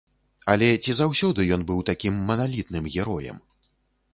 Але ці заўсёды ён быў такім маналітным героем?